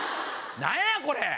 何や⁉これ！